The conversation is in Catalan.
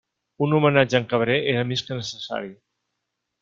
Un homenatge a en Cabré era més que necessari.